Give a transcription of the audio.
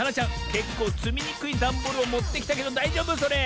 けっこうつみにくいダンボールをもってきたけどだいじょうぶそれ？